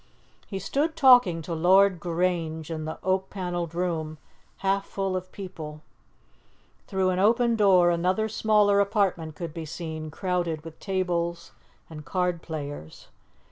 He stood talking to Lord Grange in the oak panelled room half full of people; through an open door another smaller apartment could be seen crowded with tables and card players.